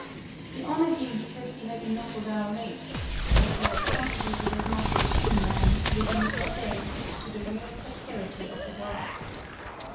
"We honor him because he has ennobled our race, because he has contributed as much as any man, living or dead, to the real prosperity of the world.